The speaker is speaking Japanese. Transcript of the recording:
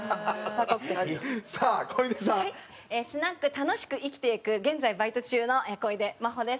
楽しく生きていく現在バイト中の小出真保です。